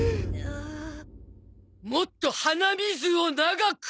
もっと鼻水を長く！